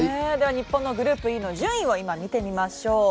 日本のグループＥの順位を見てみましょう。